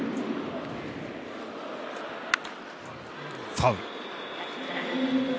ファウル。